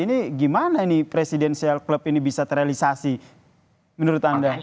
ini gimana ini presidensial club ini bisa terrealisasi menurut anda